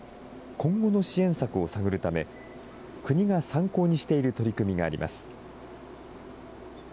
今後の支援策を探るため、国が参考にしている取り組みがあります。